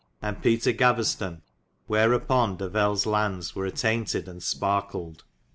and Peter Gaveston, wherapon Davelles landes were attaintid and sparkelid.